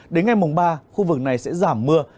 đến ngày mùng ba khu vực này sẽ giảm mưa